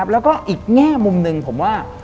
แล้วก็อีกแง่มุมหนึ่งผมว่า